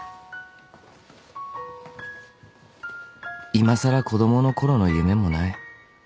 ［いまさら子供のころの夢もない］